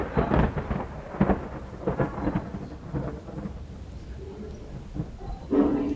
Athari za usafi wa mazingira zimeathiri jamii pakubwa